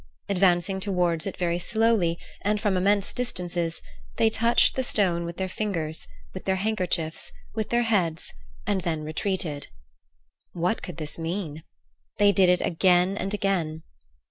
Advancing towards it very slowly and from immense distances, they touched the stone with their fingers, with their handkerchiefs, with their heads, and then retreated. What could this mean? They did it again and again.